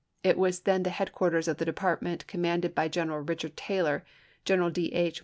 It was then the headquarters of the department commanded by General Eichard Taylor, General D. H.